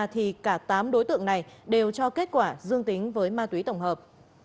thì cả tám đối tượng này đều cho kết quả dương tính với ma túy tổng hợp